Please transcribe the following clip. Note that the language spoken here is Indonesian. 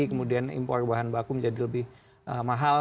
kemudian impor bahan baku menjadi lebih mahal